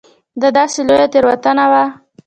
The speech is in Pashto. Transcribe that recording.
دا داسې لویه تېروتنه وه.